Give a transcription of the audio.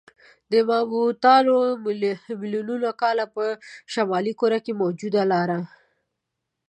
ماموتانو میلیونونه کاله په شمالي کره کې موجودیت لاره.